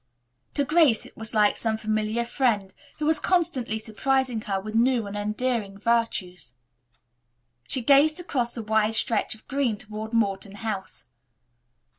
To Grace it was like some familiar friend who was constantly surprising her with new and endearing virtues. She gazed across the wide stretch of green toward Morton House.